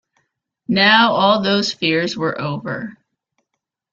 Now all those fears were over.